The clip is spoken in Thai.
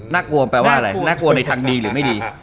น่ากลัวในทางดีหรือไม่ดี